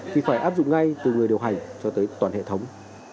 thì phải áp dụng ngay từ người điều hành cho tới toàn hệ thống